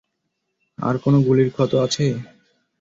আর কোনো গুলির ক্ষত আছে?